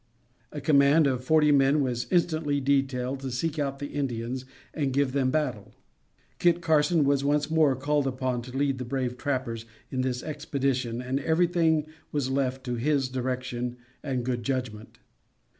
A command of forty men was instantly detailed to seek out the Indians and give them battle. Kit Carson was once more called upon to lead the brave trappers in this expedition, and everything was left to his direction and good judgment.